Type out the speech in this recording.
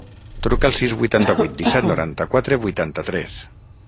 Truca al sis, vuitanta-vuit, disset, noranta-quatre, vuitanta-tres.